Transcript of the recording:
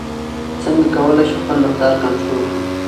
څنګه کولای شو خپل رفتار کنټرول کړو؟